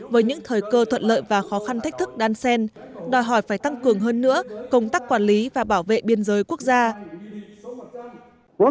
với những thời cơ thuận lợi và khó khăn thách thức đan sen đòi hỏi phải tăng cường hơn nữa công tác quản lý và bảo vệ biên giới quốc gia